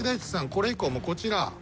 これ以降もこちら。